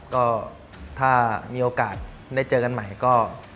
ก็ถ้ามีโอกาสได้เจอกันใหม่ก็